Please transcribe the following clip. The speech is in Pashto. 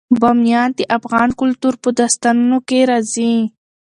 بامیان د افغان کلتور په داستانونو کې راځي.